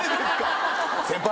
先輩！